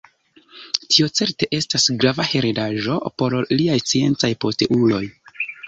Tio certe estas grava heredaĵo por liaj sciencaj posteuloj.